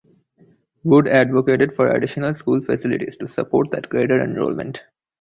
Wood advocated for additional school facilities to support that greater enrollment.